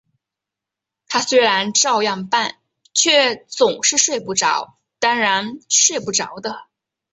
他虽然照样办，却总是睡不着，当然睡不着的